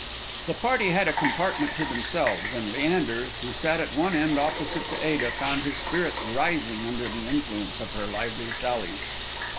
The party had a compartment to themselves, and Leander, who sat at one end opposite to Ada, found his spirits rising under the influence of her lively sallies.